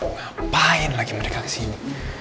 ngapain lagi mereka kesini